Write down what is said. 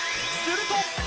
［すると］